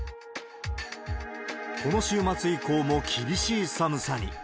この週末以降も厳しい寒さに。